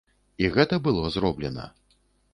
І гэта было зроблена.